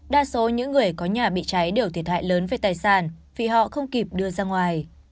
đa số những người có nhà bị cháy đều thiệt hại lớn về tài sản vì họ không kịp đưa ra ngoài